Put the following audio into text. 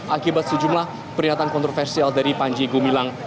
akibat sejumlah perlihatan kontroversial dari anji gumilang